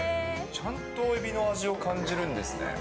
ちゃんとエビの味を感じるんですね。